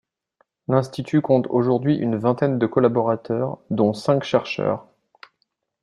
L’institut compte aujourd’hui une vingtaine de collaborateurs, dont cinq chercheurs.